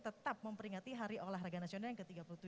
tetap memperingati hari olahraga nasional yang ke tiga puluh tujuh